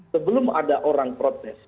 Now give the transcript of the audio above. sebelum ada orang protes